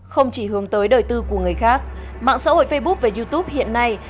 không chỉ hướng tới đời tư của người khác mạng xã hội facebook và youtube hiện nay